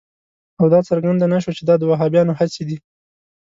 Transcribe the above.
او دا څرګنده نه شوه چې دا د وهابیانو هڅې دي.